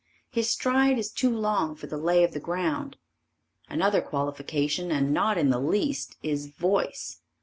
His stride is too long for the lay of the ground. Another qualification and not in the least, is voice.